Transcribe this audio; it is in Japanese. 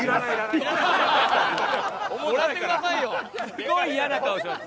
すごいイヤな顔してます。